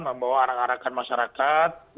membawa arah arahkan masyarakat